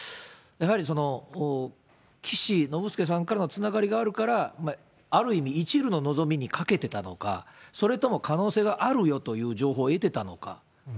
やはり岸信介さんからのつながりがあるから、ある意味、いちるの望みにかけてたのか、それとも可能性があるよという情報を得てたのか。